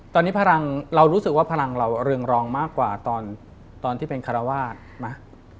ตอนนี้พลังเรารู้สึกว่าพลังเราเรืองรองมากกว่าตอนที่เป็นคารวาสไหม